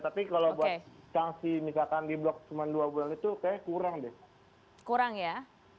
tapi kalau buat sanksi misalkan di blok cuma dua bulan itu kayaknya kurang deh kurang ya